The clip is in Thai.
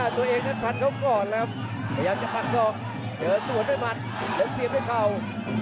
ตัวเองทัศนเขาก่อนนะครับยังจะปากซองเสือสะวนไว้หมัดและกินเสียหัวเข่า